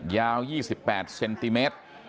ยาว๒๘เซนติเมตร